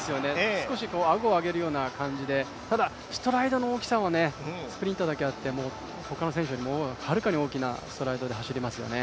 少し顎を上げるような感じで、ただストライドの大きさもスプリンターだけあってほかの選手よりもはるかにに大きなストライドで走りますよね。